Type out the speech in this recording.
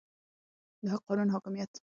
د قانون حاکمیت د ټولنې د نظم او عدالت تضمین دی